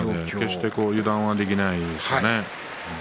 決して油断はできないですよね。